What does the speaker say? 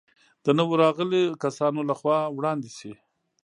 د نویو راغلو کسانو له خوا وړاندې شي.